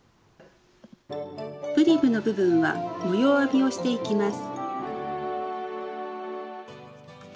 ブリムの部分は模様編みをしていきます。